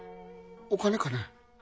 お金かね？